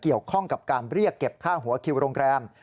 เกี่ยวข้องกับการเรียกเก็บค่าหัวคิวโรงแรม